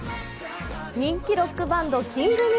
人気ロックバンド・ＫｉｎｇＧｎｕ。